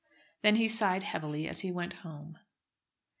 Then he sighed heavily as he went home.